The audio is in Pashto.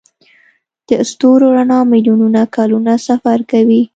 د ستورو رڼا میلیونونه کلونه سفر کوي.